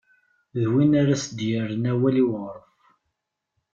D win ara s-d-yerren awal i uɣref.